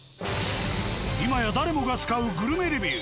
今や誰もが使うグルメレビュー。